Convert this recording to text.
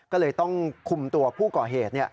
ก็เลยต้องคุมตัวผู้ก่อเหตุ